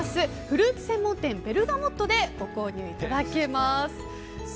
フルーツ専門店ｂｅｒｇａｍｏｔでご購入いただけます。